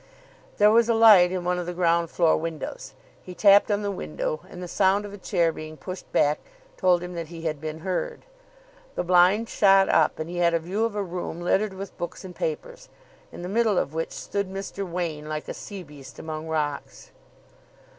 There was a light in one of the ground floor windows. He tapped on the window, and the sound of a chair being pushed back told him that he had been heard. The blind shot up, and he had a view of a room littered with books and papers, in the middle of which stood Mr. Wain, like a sea beast among rocks.